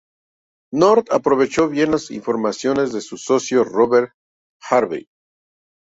North aprovechó bien las informaciones de su socio, Robert Harvey.